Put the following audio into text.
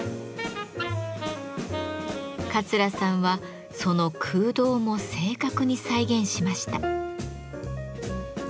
桂さんはその空洞も正確に再現しました。